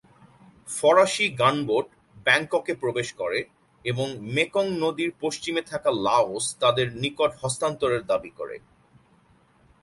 ফরাসি গানবোট ব্যাংককে প্রবেশ করে এবং মেকং নদীর পশ্চিমে থাকা লাওস তাদের নিকট হস্তান্তরের দাবী করে।